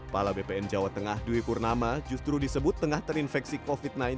pala bpn jawa tengah dwi purnama justru disebut tengah terinfeksi covid sembilan belas